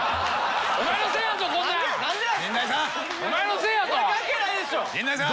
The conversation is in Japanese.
お前のせいやぞ！